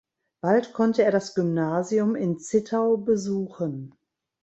Bald konnte er das Gymnasium in Zittau besuchen.